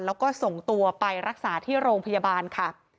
แล้วก็ส่งตัวไปรักษาที่โรงพยาบาลค่ะ